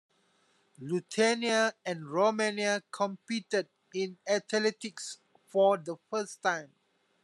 Lithuania and Romania competed in athletics for the first time.